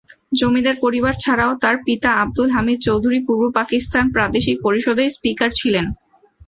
জমিদার পরিবার ছাড়াও, তার পিতা আবদুল হামিদ চৌধুরী পূর্ব পাকিস্তান প্রাদেশিক পরিষদের স্পিকার ছিলেন।